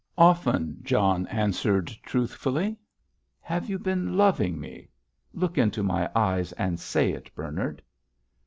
"Often," John answered, truthfully. "Have you been loving me? Look into my eyes and say it, Bernard."